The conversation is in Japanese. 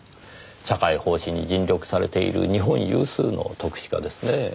社会奉仕に尽力されている日本有数の篤志家ですねぇ。